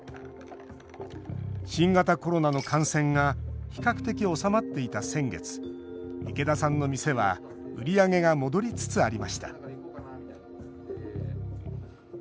新型コロナの感染が比較的、収まっていた先月池田さんの店は売り上げが戻りつつありました